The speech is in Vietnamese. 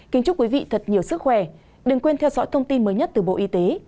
kính chúc quý vị thật nhiều sức khỏe đừng quên theo dõi thông tin mới nhất từ bộ y tế